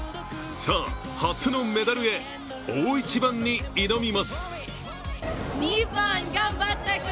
さあ、初のメダルへ大一番に挑みます。